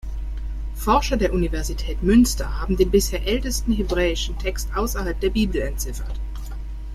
Forscher der Universität Münster haben den bisher ältesten hebräischen Text außerhalb der Bibel entziffert.